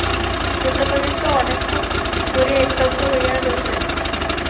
প্রতাপাদিত্য অনেকক্ষণ ধরিয়া স্তব্ধ হইয়া রহিলেন।